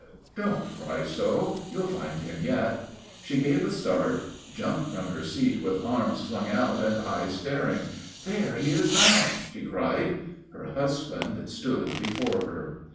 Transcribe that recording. "Don't cry so; you'll find him yet." She gave a start, jumped from her seat with arms flung out and eyes staring. "There he is now!" she cried. Her husband stood before her.